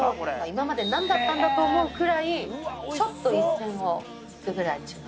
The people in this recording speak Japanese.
今まで何だったんだと思うくらいちょっと一線を引くぐらい違う。